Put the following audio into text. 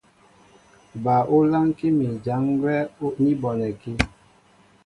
Ba ú lánkí mi ján gwɛ́ ní bonɛkí.